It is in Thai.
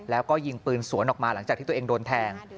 แล้วก็ยิงปืนสวนออกมาหลังจากที่ตัวเองโดนแทง